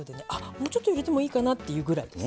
もうちょっと入れてもいいかなっていうぐらいです。